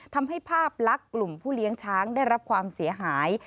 ทำให้ภาพลักษณ์กลุ่มผู้เลี้ยงช้างได้รับความเสียหาย